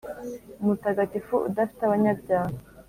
umutagatifu udafite abanyabyaha